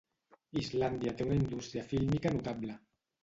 Islàndia té una indústria fílmica notable.